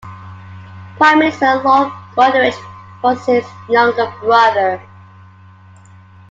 Prime Minister Lord Goderich was his younger brother.